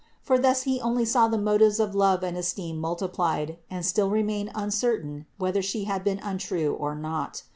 For thus he only saw the motives of love and esteem multiplied and still remained uncer tain whether She had been untrue or not.